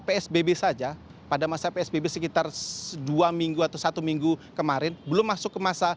psbb saja pada masa psbb sekitar dua minggu atau satu minggu kemarin belum masuk ke masa